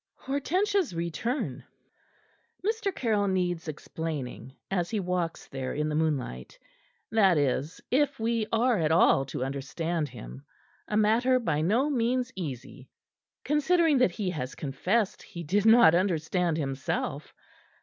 HORTENSIA'S RETURN Mr. Caryll needs explaining as he walks there in the moonlight; that is, if we are at all to understand him a matter by no means easy, considering that he has confessed he did not understand himself.